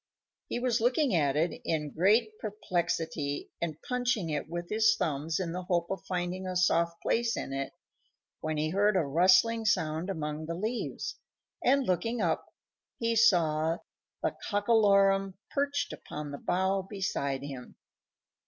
He was looking at it in great perplexity, and punching it with his thumbs in the hope of finding a soft place in it, when he heard a rustling sound among the leaves, and, looking up, he saw the Cockalorum perched upon the bough beside him.